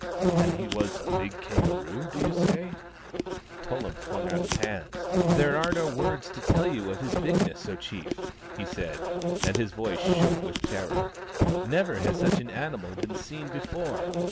" And he was a big kangaroo, do you say ?" Tullum flung out his hands. " There are no words to tell you of his bigness, O, Chief !" he said — and his voice shook with terror. " Never has such an animal been seen before.